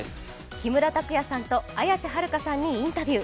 木村拓哉さんと綾瀬はるかさんにインタビュー。